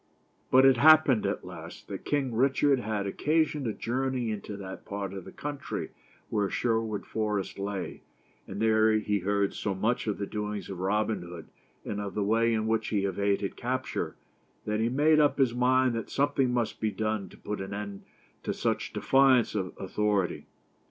But it happened, at last, that King Richard had oc casion to journey into that part of the country where Sherwood Forest lay; and there he heard so much of the doings of Robin Hood, and of the way in which he evaded capture, that he made up his mind that something must be done to put an end to such defi ance of authority.